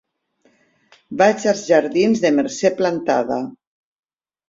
Vaig als jardins de Mercè Plantada.